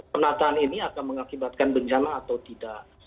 penataan ini akan mengakibatkan bencana atau tidak